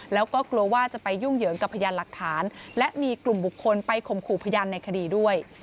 แล้วก็กลัวว่าจะไปยุ่งเหยิงกับพยานหลักฐานและมีกลุ่มบุคคลไปข่มขู่พยานในคดีด้วย